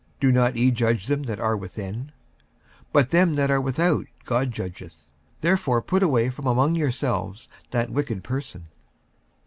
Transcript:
do not ye judge them that are within? 46:005:013 But them that are without God judgeth. Therefore put away from among yourselves that wicked person.